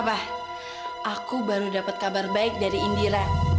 wah aku baru dapat kabar baik dari indira